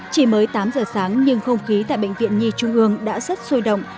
chỉ mới tám giờ sáng nhưng không khí tại bệnh viện nhi trung ương đã rất sôi động